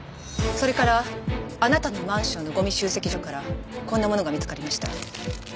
それからあなたのマンションのゴミ集積所からこんなものが見つかりました。